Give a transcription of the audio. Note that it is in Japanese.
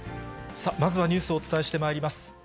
さあ、まずはニュースをお伝えしてまいります。